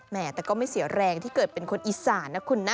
แต่ก็ไม่เสียแรงที่เกิดเป็นคนอีสานนะคุณนะ